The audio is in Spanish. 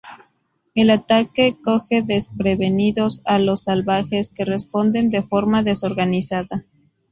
El ataque coge desprevenidos a los salvajes que responden de forma desorganizada.